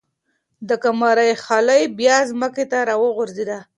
د قمرۍ خلی بیا ځمکې ته راوغورځېد.